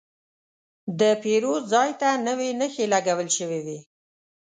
د پیرود ځای ته نوې نښې لګول شوې وې.